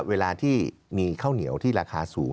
เวลาที่มีข้าวเหนียวที่ราคาสูง